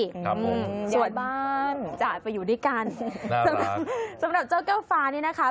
ชาวบ้านจะไปอยู่ด้วยกันสำหรับเจ้าแก้วฟ้านี่นะคะ